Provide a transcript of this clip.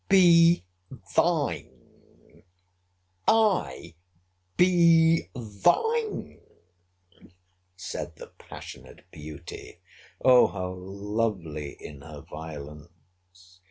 — Be thine!—I be thine!—said the passionate beauty. O how lovely in her violence!